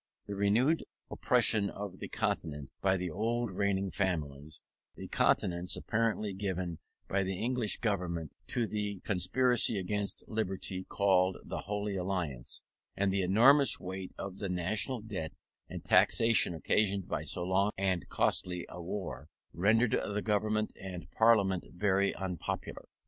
The renewed oppression of the Continent by the old reigning families, the countenance apparently given by the English Government to the conspiracy against liberty called the Holy Alliance, and the enormous weight of the national debt and taxation occasioned by so long and costly a war, rendered the government and parliament very unpopular.